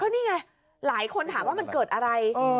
นี่ไงหลายคนถามว่ามันเกิดอะไร